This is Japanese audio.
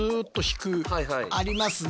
ありますね。